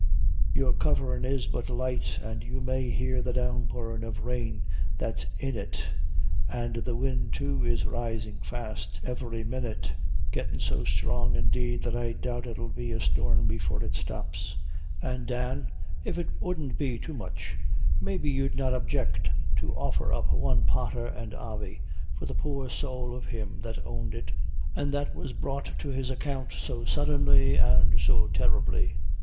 Your coverin' is but light, an' you may hear the downpowrin' of rain that's in it; an' the wind, too, is risin' fast, every minute gettin' so strong, indeed, that I doubt it 'ill be a storm before it stops; an' Dan, if it 'udn't be too much, may be you'd not object to offer up one pather an' avy for the poor sowl of him that owned it, an' that was brought to his account so suddenly and so terribly.